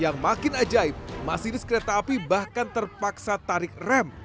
yang makin ajaib masinis kereta api bahkan terpaksa tarik rem